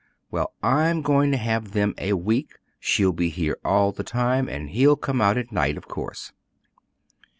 Well, I'm going to have them a week. She'll be here all the time, and he'll come out at night, of course.